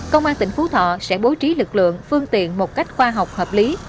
công an tỉnh phú thọ sẽ bố trí lực lượng phương tiện một cách khoa học hợp lý